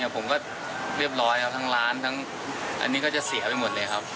ผมก็เรียบร้อยครับทั้งร้านทั้งอันนี้ก็จะเสียไปหมดเลยครับ